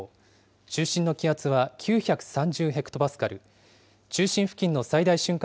中心の気圧は９３０ヘクトパスカル、中心付近の最大瞬間